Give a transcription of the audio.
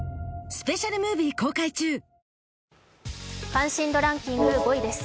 関心度ランキング５位です。